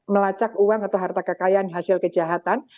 melacak uang atau harta kekayaan hasil kejahatan